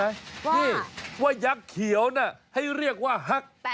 นี่ว่ายักษ์เขียวน่ะให้เรียกว่าฮัก